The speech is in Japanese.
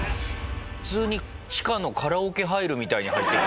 普通に地下のカラオケ入るみたいに入っていく。